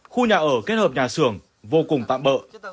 khu nhà ở kết hợp nhà xưởng vô cùng tạm bỡ